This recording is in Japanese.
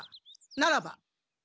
ならば？